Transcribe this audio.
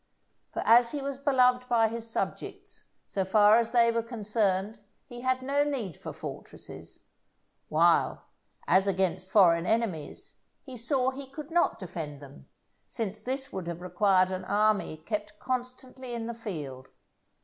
For as he was beloved by his subjects, so far as they were concerned he had no need for fortresses; while, as against foreign enemies, he saw he could not defend them, since this would have required an army kept constantly in the field.